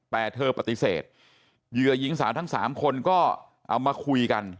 แต่เธอปฏิเสธเหยื่อหญิงสาวทั้ง๓คนก็เอามาคุยกัน